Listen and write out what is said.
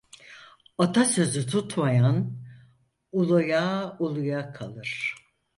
Ata sözü tutmayan, uluya uluya kalır.